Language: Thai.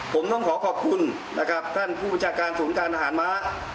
ผมต้องขอขอบคุณนะครับท่านผู้ประชาการศูนย์การอาหารม้า